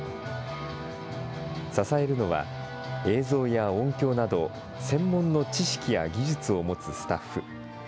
支えるのは、映像や音響など、専門の知識や技術を持つスタッフ。